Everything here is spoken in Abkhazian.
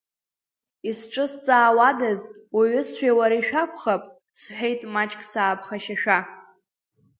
Изҿысҵаауадаз, уҩызцәеи уареи шәакәхап, – сҳәеит, маҷк сааԥхашьашәа.